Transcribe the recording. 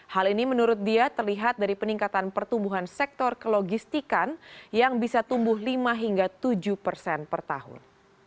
hal ini menurut dia terlihat dari peningkatan pertumbuhan sektor kelogistikan yang bisa tumbuh lima hingga tujuh persen per tahun